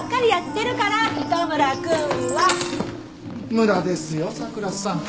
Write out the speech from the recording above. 無駄ですよ佐倉さん。